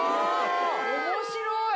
面白い！